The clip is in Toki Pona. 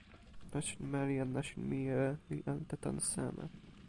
nasin meli en nasin mije li ante tan seme?